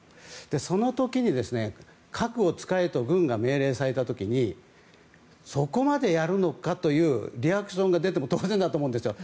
その時に、核を使えと軍が命令された時にそこまでやるのかというリアクションが出ても当然だと思うんですよ。